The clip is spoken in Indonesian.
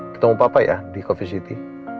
ketemu papa ya di coffee city